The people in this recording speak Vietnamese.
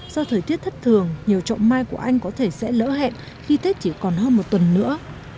do thời tiết thất thường nhiều trọng mai của anh có thể sẽ lỡ hẹn khi tết chỉ còn hơn một tuần nữa